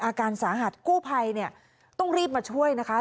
อาการสาหัสกู้ภัยเนี่ยต้องรีบมาช่วยนะคะ